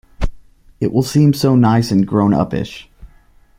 It will seem so nice and grown-uppish.